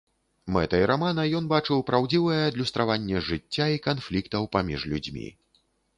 Мэтай рамана ён бачыў праўдзівае адлюстраванне жыцця і канфліктаў паміж людзьмі.